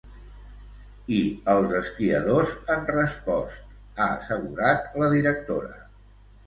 I els esquiadors han respost, ha assegurat la directora.